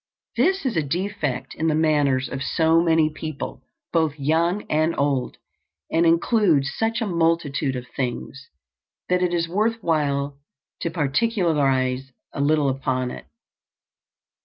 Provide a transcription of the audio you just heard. This is a defect in the manners of so many people, both young and old, and includes such a multitude of things, that it is worth while to particularize a little upon it.